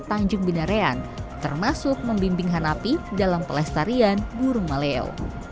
tanjung binarean termasuk membimbing hanapi dalam pelestarian burung maleo